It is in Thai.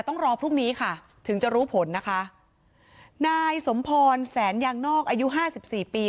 นี้ค่ะถึงจะรู้ผลนะคะนายสมพรแสนยางนอกอายุห้าสิบสี่ปี